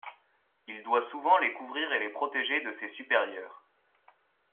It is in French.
Il doit souvent les couvrir et les protéger de ses supérieurs.